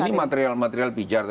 ini material material pijar